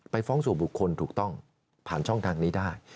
ฟ้องสู่บุคคลถูกต้องผ่านช่องทางนี้ได้